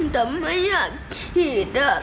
จะไม่อยากฉีดอ่ะ